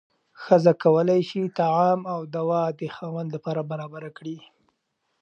ښځه کولی شي طعام او دوا د خاوند لپاره برابره کړي.